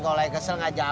terima kasih ya